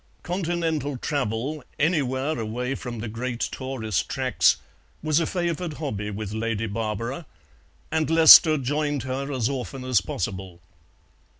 Continental travel, anywhere away from the great tourist tracks, was a favoured hobby with Lady Barbara, and Lester joined her as often as possible.